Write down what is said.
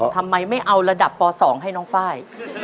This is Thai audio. ทำไมไม่เอาระดับป๒ให้น้องไฟล์